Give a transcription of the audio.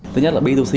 thứ nhất là b hai c